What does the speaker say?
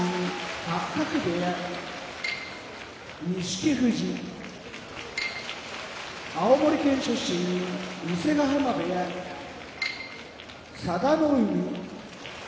八角部屋錦富士青森県出身伊勢ヶ濱部屋佐田の海